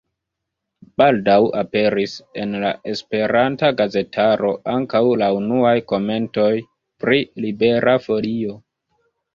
Baldaŭ aperis en la esperanta gazetaro ankaŭ la unuaj komentoj pri Libera Folio.